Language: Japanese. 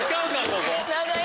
ここ。